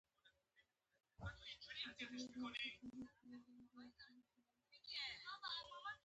دا په وضاحت ده.